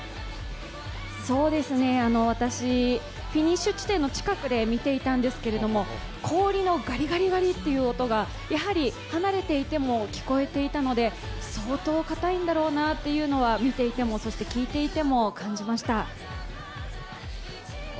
私、フィニッシュ地点の近くで見ていたんですけれども、氷のガリガリガリという音が離れていても聞こえていたので、相当硬いんだろうなというのは見ていても、そして聞いていても感じました。